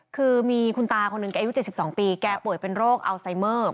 คือมีคุณตาคนหนึ่งแกอายุ๗๒ปีแกป่วยเป็นโรคอัลไซเมอร์